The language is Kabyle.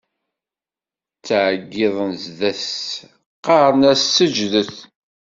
Ttɛeggiḍen zdat-s, qqaren: Seǧǧdet!